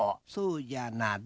「そうじゃな」